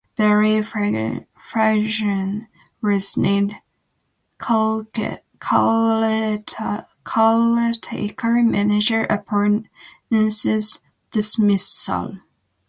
Barry Ferguson was named caretaker manager upon Ince's dismissal.